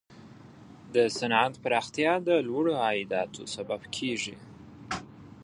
د صنعت پراختیا د لوړو عایداتو سبب کیږي.